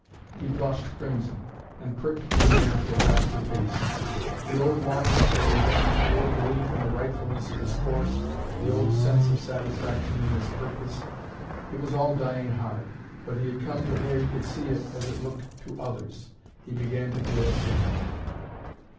He blushed crimson, and pricked the mare to a faster pace. The old longing for revenge, the old belief in the rightfulness of his course, the old sense of satisfaction in his purpose it was all dying hard, but he had come to where he could see it as it looked to others. He began to feel ashamed.